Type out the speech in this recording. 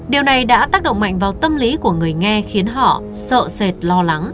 điều này đã tác động mạnh vào tâm lý của người nghe khiến họ sợ sệt lo lắng